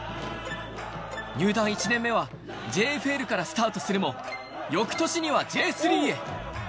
入団１年目はＪＦＬからスタートするも、よくとしにはＪ３へ。